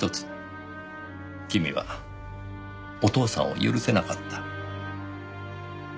君はお父さんを許せなかった。